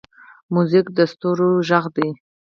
موزیک د ستوریو غږ دی.